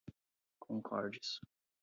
concordes